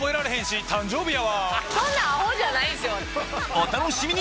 お楽しみに！